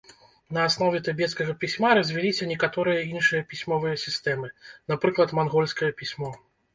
На аснове тыбецкага пісьма развіліся некаторыя іншыя пісьмовыя сістэмы, напрыклад, мангольскае пісьмо.